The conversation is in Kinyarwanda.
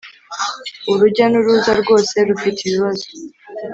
urujya n'uruza rwose rufite ibibazo